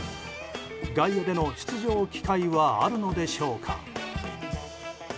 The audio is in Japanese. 外野での出場機会はあるのでしょうか。